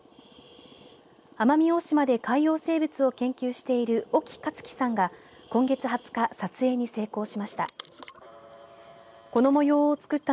奄美大島で海洋生物を研究している興克樹さんが今月２０日撮影に成功しました。